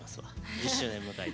１０周年迎えて。